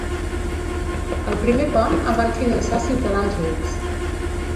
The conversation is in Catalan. El primer pont el van finançar ciutadans rics.